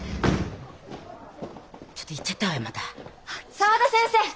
沢田先生。